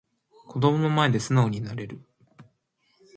子供の前で素直になれる